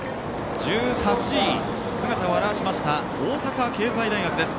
１８位、姿を現しました大阪経済大学です。